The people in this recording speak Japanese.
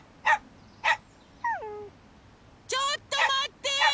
ちょっとまって！